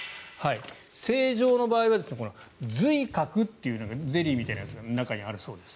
正常の場合は髄核というのがゼリーみたいなやつが中にあるそうです。